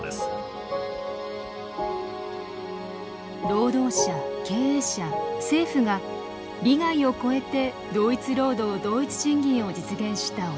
労働者経営者政府が利害を超えて同一労働同一賃金を実現したオランダ。